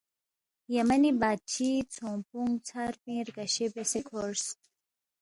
یمنی بادشی ژھونگپونگ ژھر پِنگ رگشے بیاسے کھورس